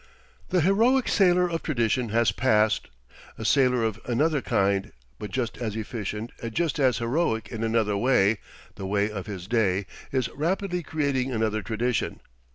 The heroic sailor of tradition has passed a sailor of another kind, but just as efficient and just as heroic in another way the way of his day is rapidly creating another tradition.